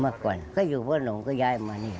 เมื่อก่อนก็อยู่บ้านหลงก็ย้ายมานี่